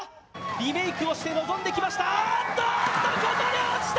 リメイクをして臨んできました。